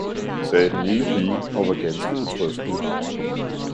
« sagde den lille Pige, og var ganske utrøstelig!